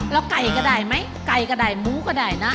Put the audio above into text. แล้วไก่ก็ได้ไหมไก่ก็ได้หมูก็ได้นะ